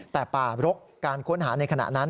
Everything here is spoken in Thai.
แต่ป่ารกการค้นหาในขณะนั้น